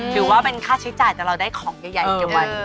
ถือว่าเป็นค่าใช้จ่ายแต่เราได้ของใหญ่เก็บไว้